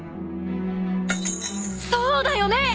そうだよね！？